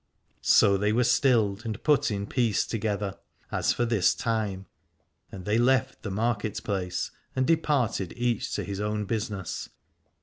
So they were stilled and put in peace together, as for this time, and they left the market place and departed each to his own business.